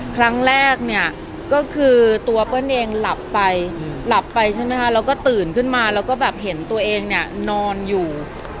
ครั้งแรกเนี่ยก็คือตัวเปิ้ลเองหลับไปหลับไปใช่ไหมคะแล้วก็ตื่นขึ้นมาแล้วก็แบบเห็นตัวเองเนี่ยนอนอยู่